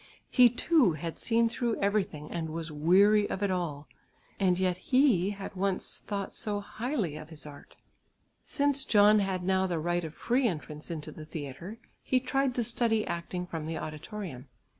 He too had seen through everything and was weary of it all. And yet he had once thought so highly of his art. Since John had now the right of free entrance into the theatre he tried to study acting from the auditorium.